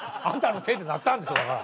あんたのせいでなったんですわ。